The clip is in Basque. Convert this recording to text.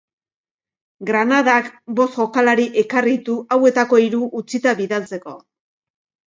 Granadak bost jokalari ekarri ditu hauetako hiru utzita bidaltzeko.